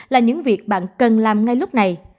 là những việc bạn cần làm ngay lúc này